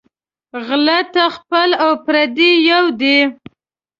غله ته خپل او پردي یو دى